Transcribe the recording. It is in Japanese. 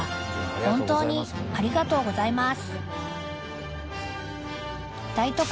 本当にありがとうございます大都会